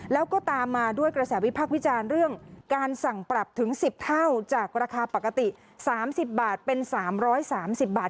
แล้วก็ตามมาด้วยกระแสวิพักษ์วิจารณ์เรื่องการสั่งปรับถึง๑๐เท่าจากราคาปกติ๓๐บาทเป็น๓๓๐บาท